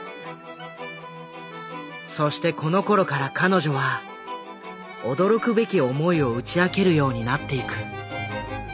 そしてこのころから彼女は驚くべき思いを打ち明けるようになっていく。